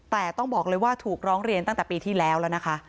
แต่ต้องบอกเลยว่าถูกร้องเรียนตั้งแต่ปีที่แล้วแล้วนะคะ